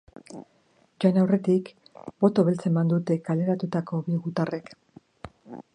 Joan aurretik, boto beltza eman dute kaleratutako bi gutarrek.